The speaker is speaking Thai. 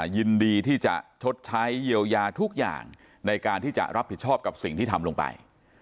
ยินดีที่จะชดใช้เยียวยาทุกอย่างในการที่จะรับผิดชอบกับสิ่งที่ทำลงไป